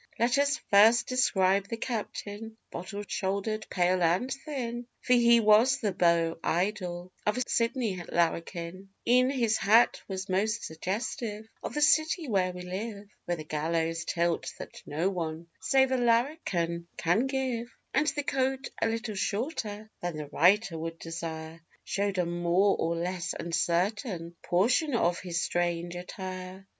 Let us first describe the captain, bottle shouldered, pale and thin, For he was the beau ideal of a Sydney larrikin; E'en his hat was most suggestive of the city where we live, With a gallows tilt that no one, save a larrikin, can give; And the coat, a little shorter than the writer would desire, Showed a more or less uncertain portion of his strange attire.